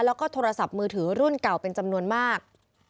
แล้วก็โทรศัพท์มือถือรุ่นเก่าเป็นจำนวนมาก